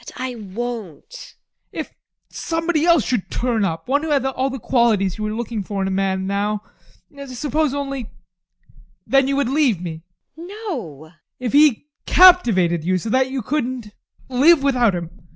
TEKLA. But I won't! ADOLPH. If somebody else should turn up one who had all the qualities you are looking for in a man now suppose only then you would leave me? TEKLA. No. ADOLPH. If he captivated you? So that you couldn't live without him?